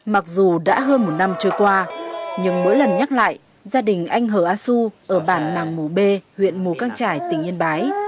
mặc dù đã hơn một năm trôi qua nhưng mỗi lần nhắc lại gia đình anh hờ a su ở bản mạng mù bê huyện mù cang trải tỉnh yên bái